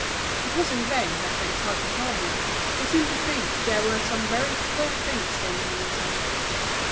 It was in vain that they tried to calm him; he seemed to think there were some very queer things going on inside.